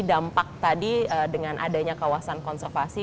dampak tadi dengan adanya kawasan konservasi